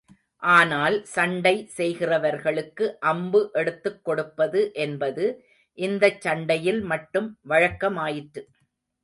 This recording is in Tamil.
ஆனால், சண்டை செய்கிறவர்களுக்கு அம்பு எடுத்துக் கொடுப்பது என்பது இந்தச் சண்டையில் மட்டும் வழக்கமாயிற்று.